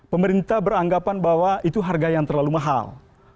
pemerintah beranggapan bahwa itu harga yang terlalu mahal